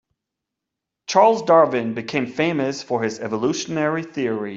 Charles Darwin became famous for his evolutionary theory.